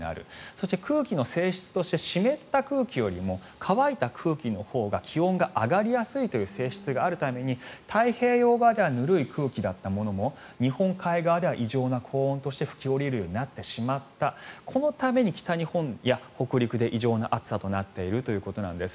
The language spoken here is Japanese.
そして空気の性質として湿った空気よりも乾いた空気のほうが気温が上がりやすいという性質があるために太平洋側ではぬるい空気だったものも日本海側では異常な高温として吹き下りるようになってしまったこのために北日本や北陸で異常な暑さとなっているということです。